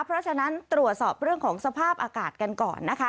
เพราะฉะนั้นตรวจสอบเรื่องของสภาพอากาศกันก่อนนะคะ